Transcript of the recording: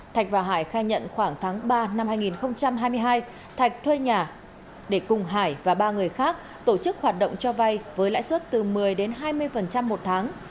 thạch và hải khai nhận khoảng tháng ba năm hai nghìn hai mươi hai thạch thuê nhà để cùng hải và ba người khác tổ chức hoạt động cho vay với lãi suất từ một mươi đến hai mươi một tháng